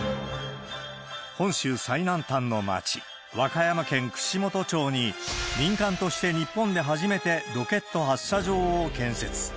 本州最南端の町、和歌山県串本町に、民間として日本で初めてロケット発射場を建設。